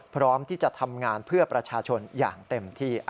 พร้อมที่จะทำงานเพื่อประชาชนอย่างเต็มที่